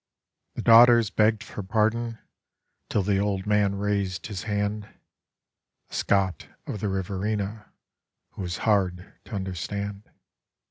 The daughters begged for pardon till the old man raised his hand A Scot of the Riverina who was hard to understand.